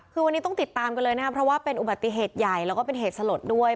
คือวันนี้ต้องติดตามกันเลยนะครับเพราะว่าเป็นอุบัติเหตุใหญ่แล้วก็เป็นเหตุสลดด้วย